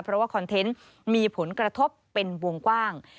เพราะว่าคอนเทนต์มีผลกระทบเป็นวงกว้าง